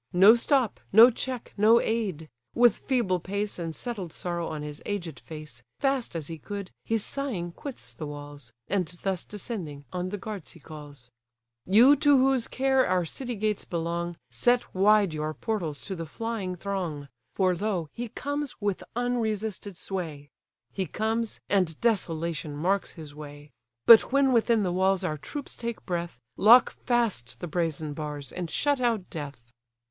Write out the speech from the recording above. No stop, no check, no aid! With feeble pace, And settled sorrow on his aged face, Fast as he could, he sighing quits the walls; And thus descending, on the guards he calls: "You to whose care our city gates belong, Set wide your portals to the flying throng: For lo! he comes, with unresisted sway; He comes, and desolation marks his way! But when within the walls our troops take breath, Lock fast the brazen bars, and shut out death."